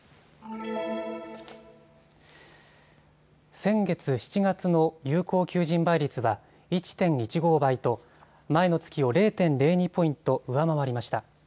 先月７月の有効求人倍率は１．１５倍と前の月を０．０２ポイント上回りました。